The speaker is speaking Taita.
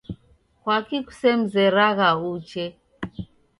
Kwaki kusemzeragha uche